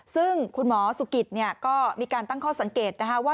ซึ่งคุณหมอสุกิตก็มีการตั้งข้อสังเกตนะคะว่า